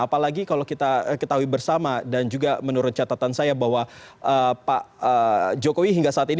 apalagi kalau kita ketahui bersama dan juga menurut catatan saya bahwa pak jokowi hingga saat ini